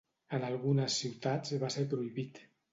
En algunes ciutats va ser prohibit.